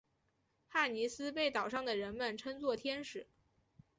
帕妮丝被岛上的人们称作天使。